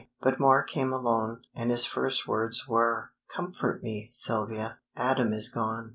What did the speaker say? But Moor came alone, and his first words were, "Comfort me, Sylvia, Adam is gone.